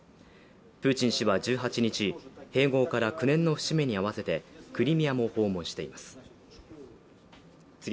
プーチン氏は１８日、併合から９年の節目に合わせてクリミアも訪問しています。